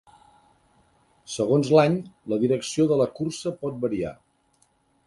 Segons l'any, la direcció de la cursa pot variar.